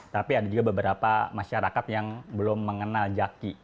tapi ada juga beberapa masyarakat yang belum mengenal jaki